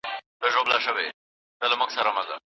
که ښار پاک وساتو نو ښکلا نه ورکيږي.